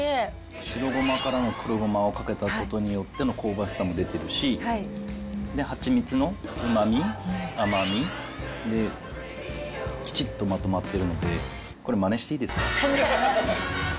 白ごまからの黒ごまをかけたことによっての香ばしさも出てるし、で、はちみつのうまみ、甘み、で、きちっとまとまってるので、これ、まねしていいですか？